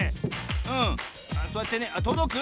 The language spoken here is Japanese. そうやってねとどく？